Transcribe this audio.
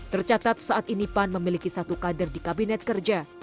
tercatat saat ini pan memiliki satu kader di kabinet kerja